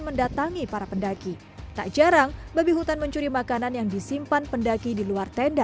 mendatangi para pendaki tak jarang babi hutan mencuri makanan yang disimpan pendaki di luar tenda